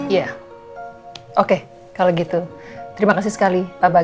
ya oke kalau gitu terima kasih sekali bapak